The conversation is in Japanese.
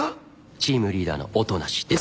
チームリーダーの音無です。